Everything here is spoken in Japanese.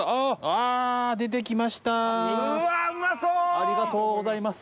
ありがとうございます。